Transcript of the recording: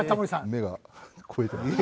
目が肥えてますね。